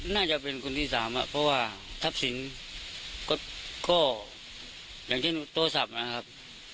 น่าจะเป็นคนที่สามเพราะว่าทรัพย์สินก็อย่างเช่นโทรศัพท์นะครับ